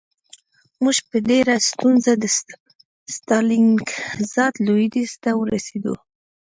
موږ په ډېره ستونزه د ستالینګراډ لویدیځ ته ورسېدو